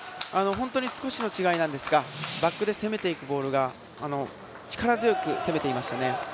本当に少しの違いなんですがバックで攻めていくボールが力強く攻めていましたね。